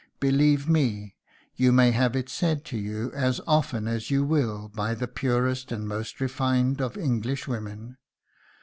Believe me, you may have it said to you as often as you will by the purest and most refined of English women.